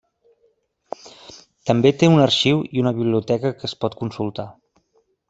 També té un arxiu i una biblioteca que es pot consultar.